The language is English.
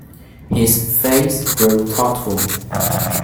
His face grew thoughtful.